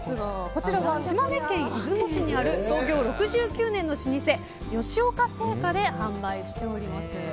こちらは島根県出雲市にある創業６９年の老舗吉岡製菓で販売しております。